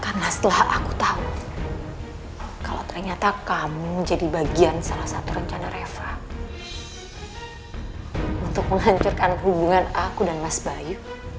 karena setelah aku tau kalau ternyata kamu jadi bagian salah satu rencana reva untuk menghancurkan hubungan aku dan mas bayu